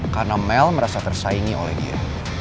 karena mel merasa tersaingi oleh dia